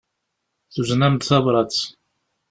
Tuzen-am-d tabrat.